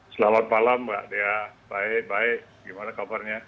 selamat malam mbak dea baik baik gimana kabarnya